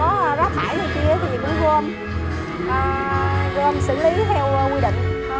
mỗi lần mà có rác bãi nơi kia thì mình cũng gom gom xử lý theo quy định